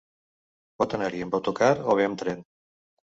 Pot anar-hi amb autocar o bé amb tren.